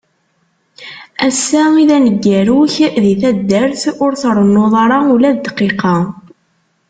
Ass-a i d aneggaru-k di taddart, ur trennuḍ ara ula d dqiqa.